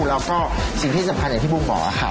แล้วก็สิ่งที่สำคัญอย่างที่บุ๋มบอกค่ะ